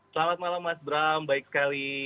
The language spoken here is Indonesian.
selamat malam mas bram baik sekali